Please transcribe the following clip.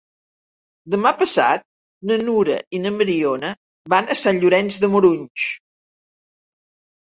Demà passat na Nura i na Mariona van a Sant Llorenç de Morunys.